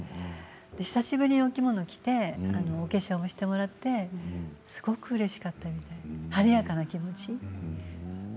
久しぶりにお着物を着てお化粧もしてもらってすごくうれしかったみたい晴れやかな気持ち。